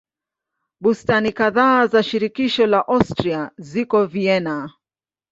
Bustani kadhaa za shirikisho la Austria ziko Vienna.